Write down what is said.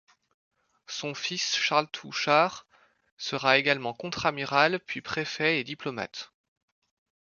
Son fils Charles Touchard sera également contre-amiral, puis préfet et diplomate.